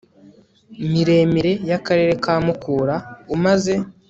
miremire y akarere ka mukura umaze